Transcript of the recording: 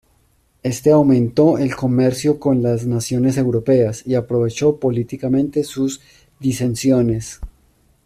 Este aumentó el comercio con las naciones europeas y aprovechó políticamente sus disensiones.